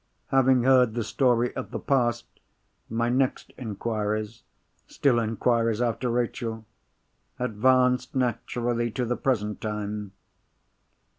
Having heard the story of the past, my next inquiries (still inquiries after Rachel!) advanced naturally to the present time.